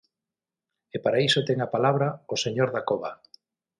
E para iso ten a palabra o señor Dacova.